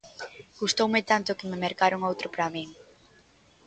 Gustoume tanto que me mercaron outro para min.